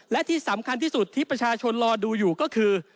และที่สำคัญที่สุดที่ประชาชนรอดูอยู่ก็คือ